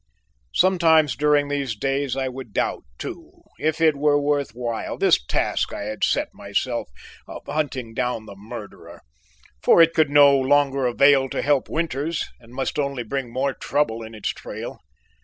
Sometimes during these days I would doubt, too, if it were worth while this task I had set myself of hunting down the murderer, for it could no longer avail to help Winters and must only bring more trouble in its trail.